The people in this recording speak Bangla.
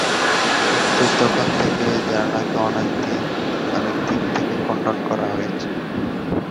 কিন্তু তখন থেকে এই ধারণাকে অনেক দিক থেকে খণ্ডন করা হয়েছে।